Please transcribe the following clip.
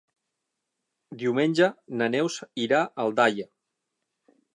Diumenge na Neus irà a Aldaia.